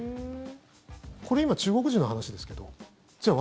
これ今、中国人の話ですけどじゃあ